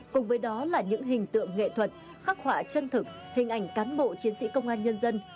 cùng với đó là những hình tượng nghệ thuật khắc họa chân thực hình ảnh cán bộ chiến sĩ công an nhân dân